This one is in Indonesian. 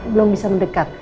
belum bisa mendekat